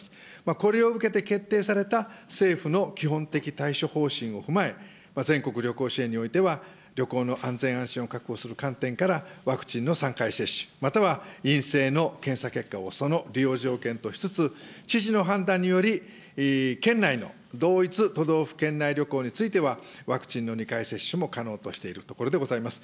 これを受けて決定された政府の基本的対処方針を踏まえ、全国旅行支援においては、旅行の安全安心を確保する観点から、ワクチンの３回接種、または陰性の検査結果をその利用条件としつつ、知事の判断により、県内の同一都道府県内旅行については、ワクチンの２回接種も可能としているところでございます。